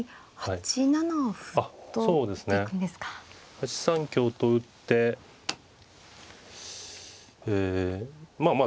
８三香と打ってえまあまあ